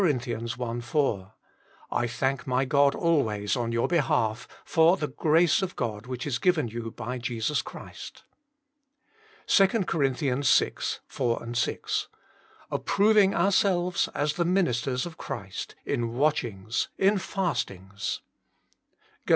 L 4 : "I thank my God always on your behalf, for the grace of God which is given you by Jesus Christ." 2 Cor. vi. 4, 6 :" Approving our selves as the ministers of Christ, in watchings, in fastings" GaL iv.